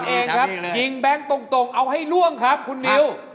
เองครับยิงแบงค์ตรงเอาให้ล่วงครับคุณนิว